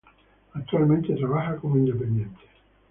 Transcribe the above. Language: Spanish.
Actualmente trabaja como independiente.